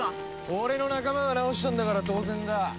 俺の仲間が直したんだから当然だ。